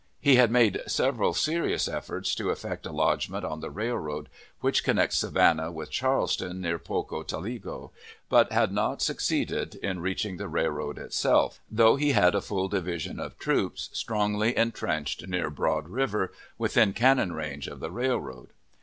He had made several serious efforts to effect a lodgment on the railroad which connects Savannah with Charleston near Pocotaligo, but had not succeeded in reaching the railroad itself, though he had a full division of troops, strongly intrenched, near Broad River, within cannon range of the railroad.